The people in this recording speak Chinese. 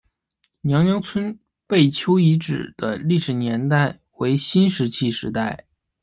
娘娘村贝丘遗址的历史年代为新石器时代。